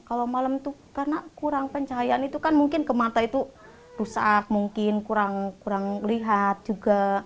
kalau malam itu karena kurang pencahayaan itu kan mungkin ke mata itu rusak mungkin kurang lihat juga